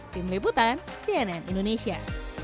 tim liputan cnn indonesia